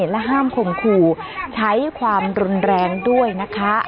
และห้ามข่มขู่ใช้ความรุนแรงด้วยนะคะ